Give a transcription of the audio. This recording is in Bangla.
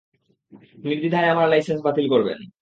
নির্দ্বিধায় আমার লাইসেন্স বাতিল করবেন।